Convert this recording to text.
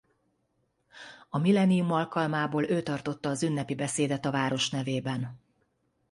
A millennium alkalmából ő tartotta az ünnepi beszédet a város nevében.